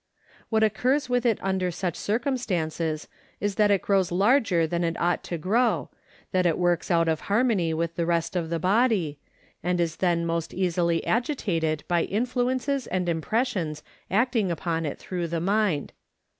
What occurs with it under such circumstances is that it grows larger than it ought to grow, that it works out of harmony with the rest of the body, and is then most easily agitated by influences and impressions acting upon it through the mind.